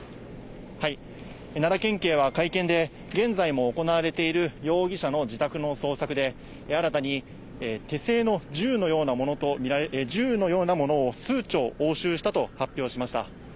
奈良県警は会見で、現在も行われている容疑者の自宅の捜索で、新たに手製の銃のようなものを数丁押収したと発表しました。